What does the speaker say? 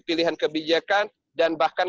pilihan kebijakan dan bahkan